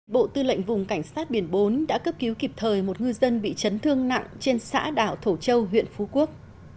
bộ tư lệnh vùng cảnh sát biển bốn đã cấp cứu kịp thời một ngư dân bị chấn thương nặng trên xã đảo thổ châu huyện phú quốc